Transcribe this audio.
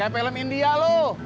kayak film india loh